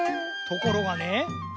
ところがね